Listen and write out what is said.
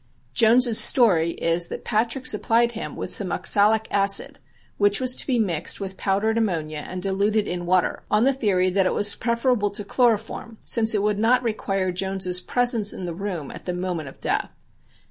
Jones's story is that Patrick supplied him with some oxalic acid which was to be mixed with powdered ammonia and diluted in water, on the theory that it was preferable to chloroform since it would not require Jones's presence in the room at the moment of death.